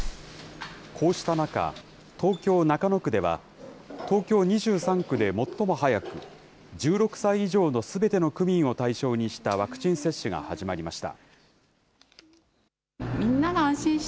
こうした中、東京・中野区では、東京２３区で最も早く、１６歳以上のすべての区民を対象にしたワクチン接種が始まりました。